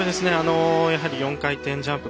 やはり４回転ジャンプ。